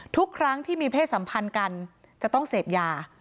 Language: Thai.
ทุกครั้งที่มีเพศสัมพันธ์กันจะต้องเสพยา